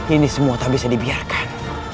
ini semua tak bisa dibiarkan